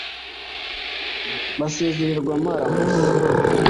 basezererwa amara masa